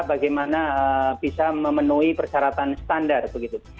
bagaimana bisa memenuhi persyaratan standar begitu